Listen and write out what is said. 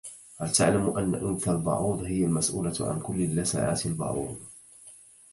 هل تعلم أن أنثى البعوض هي المسؤولة عن كل لسعات البعوض.